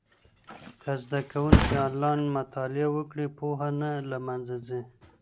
که زده کوونکی انلاین مطالعه وکړي، پوهه نه له منځه ځي.